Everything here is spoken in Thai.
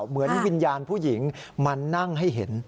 เหมือนวิญญาณผู้หญิงมานั่งให้เห็น